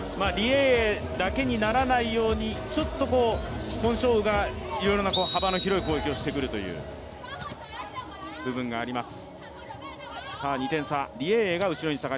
エイエイだけにならないようにちょっとコン・ショウウがいろいろな幅の広い攻撃をしてくるという部分があります。